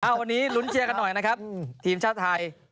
วันนี้ลุ้นเชียร์กันหน่อยนะครับทีมชาติไทย